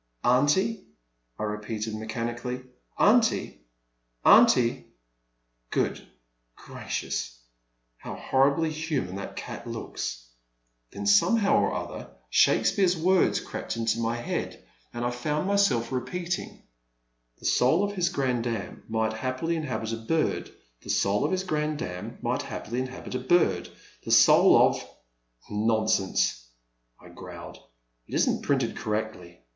Aunty," I repeated mechanically, "aunty, aunty — good gracious, how horribly human that cat looks !" Then somehow or other, Shake speare's words crept into my head and I found The Man at the Next Table. 355 myself repeating :the soul of his grandam might happily inhabit a bird ; the soul of his grandam might happily inhabit a bird ; the soul of— nonsense !I growled —*' it is n't printed correctly